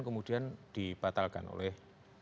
kemudian dibatalkan oleh